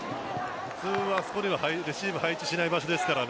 普通はあそこにはレシーブ配置しない場所ですからね。